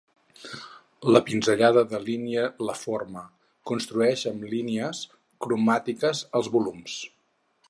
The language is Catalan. La pinzellada delinea la forma, construeix amb línies cromàtiques els volums.